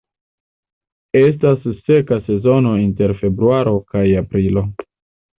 Estas seka sezono inter februaro kaj aprilo.